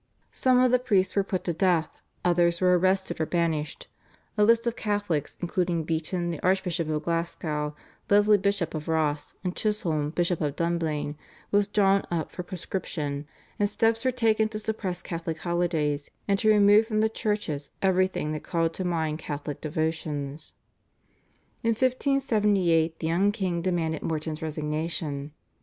Some of the priests were put to death; others were arrested or banished; a list of Catholics including Beaton the Archbishop of Glasgow, Leslie Bishop of Ross, and Chisholm Bishop of Dunblane was drawn up for proscription, and steps were taken to suppress Catholic holidays and to remove from the churches everything that called to mind Catholic devotions. In 1578 the young king demanded Morton's resignation.